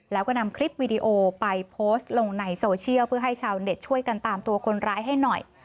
แล้วก็นำคลิปวิดีโอไปโพสต์ลงในโซเชียลเพื่อให้ชาวเน็ตช่วยกันตามตัวคนร้ายให้หน่อย